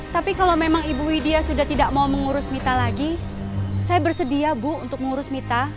tapi kalau memang ibu widya sudah tidak mau mengurus mita lagi saya bersedia bu untuk mengurus mita